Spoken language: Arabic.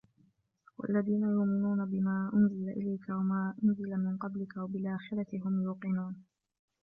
والذين يؤمنون بما أنزل إليك وما أنزل من قبلك وبالآخرة هم يوقنون